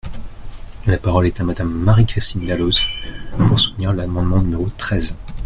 La parole est à Madame Marie-Christine Dalloz, pour soutenir l’amendement numéro treize.